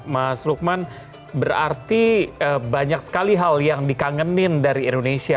mas lukman berarti banyak sekali hal yang dikangenin dari indonesia